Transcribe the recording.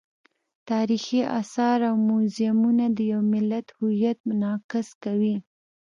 تاریخي آثار او موزیمونه د یو ملت هویت منعکس کوي.